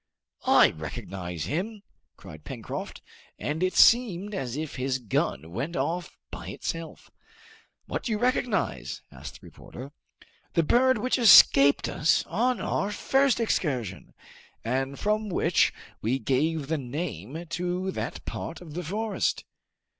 "I recognize him!" cried Pencroft, and it seemed as if his gun went off by itself. "What do you recognize?" asked the reporter. "The bird which escaped us on our first excursion, and from which we gave the name to that part of the forest."